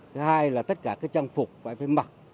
thứ hai là tất cả cái trang phục phải mặc